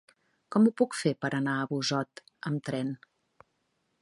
Com ho puc fer per anar a Busot amb tren?